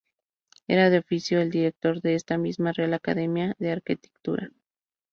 Era, de oficio, el director de esta misma Real Academia de Arquitectura.